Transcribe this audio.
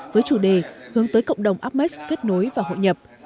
với chủ đề hướng tới cộng đồng apec kết nối và hội nhập